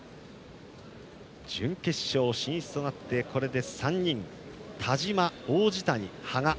準決勝進出となってこれで３人田嶋、王子谷、羽賀。